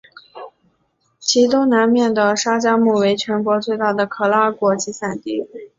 其东南面的沙加穆为全国最大的可拉果集散地。